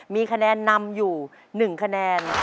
มีคะแนนนำอยู่๑คะแนน